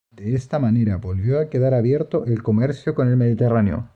De esta manera volvió a quedar abierto el comercio con el Mediterráneo.